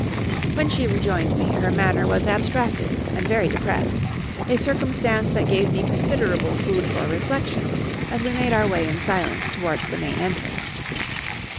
When she rejoined me, her manner was abstracted and very depressed, a circumstance that gave me considerable food for reflection as we made our way in silence towards the main entrance.